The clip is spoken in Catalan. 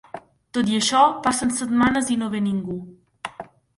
Tot i això, passen setmanes i no ve ningú.